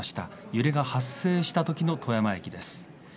揺れが発生したときの富山駅です。